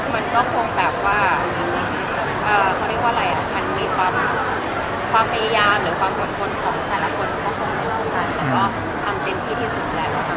มันก็คงแบบว่าเอ่อเขาเรียกว่าอะไรอ่ะมันมีความความพยายามหรือความกลมกลมของแต่ละคนก็คงไม่รู้กัน